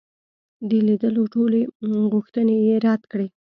د لیدلو ټولي غوښتني یې رد کړې.